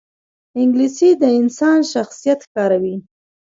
انګلیسي د انسان شخصیت ښکاروي